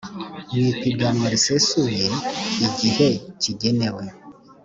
mu ipiganwa risesuye igihe kigenewe